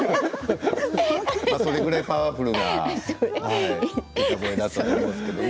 それぐらいパワフルな歌声だったと思うんですけれどね。